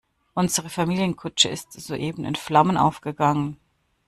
Unsere Familienkutsche ist soeben in Flammen aufgegangen.